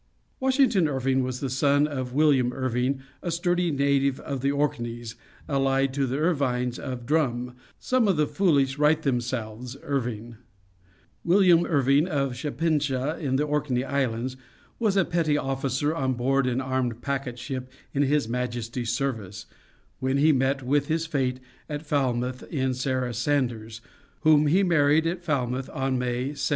Washington Irving was the son of William Irving, a sturdy native of the Orkneys, allied to the Irvines of Drum, among whose kindred was an old historiographer who said to them, "Some of the foolish write themselves Irving." William Irving of Shapinsha, in the Orkney Islands, was a petty officer on board an armed packet ship in His Majesty's service, when he met with his fate at Falmouth in Sarah Sanders, whom he married at Falmouth in May, 1761.